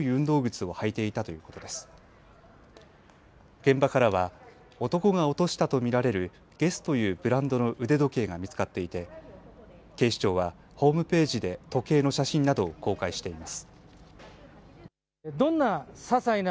現場からは男が落としたとみられるＧＵＥＳＳというブランドの腕時計が見つかっていて警視庁はホームページで時計の写真などを公開しています。